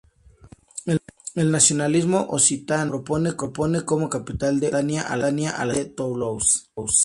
El nacionalismo occitano propone como capital de Occitania a la ciudad de Toulouse.